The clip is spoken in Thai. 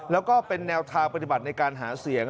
แล้วก็เป็นแนวทางปฏิบัติในการหาเสียง